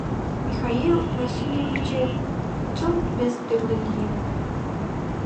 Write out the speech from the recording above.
— Михаил Василевичет чылт вес тӱрлӧ лийын...